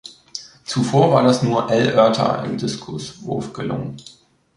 Zuvor war das nur Al Oerter im Diskuswurf gelungen.